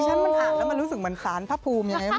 ดิฉันมันหากแล้วมันรู้สึกเหมือนศาลพระภูมิ